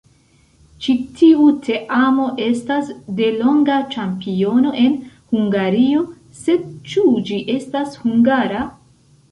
Ĉi tiu teamo estas delonga ĉampiono en Hungario, sed ĉu ĝi estas hungara?